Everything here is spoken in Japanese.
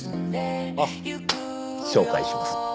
あっ紹介します。